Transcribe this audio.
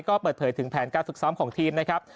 ก็เปิดเผยถึงแผนการฝึกซ้อมของทีมนะครับ